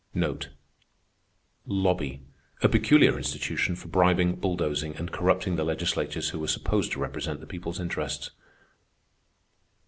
Lobby—a peculiar institution for bribing, bulldozing, and corrupting the legislators who were supposed to represent the people's interests.